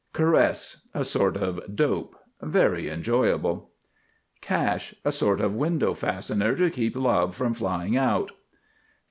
CARESS. A sort of dope; very enjoyable. CASH. A sort of window fastener to keep Love from flying out.